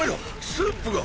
スープが。